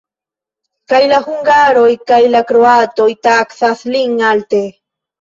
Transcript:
Kaj la hungaroj, kaj la kroatoj taksas lin alte.